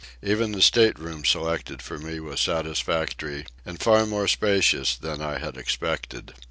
Even the stateroom selected for me was satisfactory and far more spacious than I had expected.